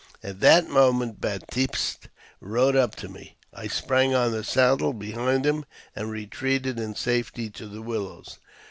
At that mo ment Baptiste rode up to me ; I sprang on the saddle behind him, and retreated in safety to the willows.